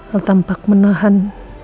alat tampak menahan